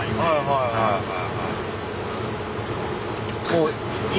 はいはいはい。